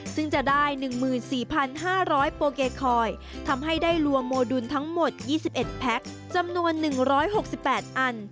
ซึ่งจะได้๑๔๕๐๐โปเกคอยทำให้ได้รวมโมดุลทั้งหมด๒๑แพ็คจำนวน๑๖๘อัน